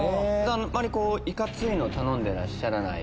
いかついの頼んでらっしゃらない。